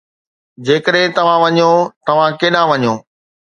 جيڪڏهن توهان وڃو، توهان ڪيڏانهن وڃو؟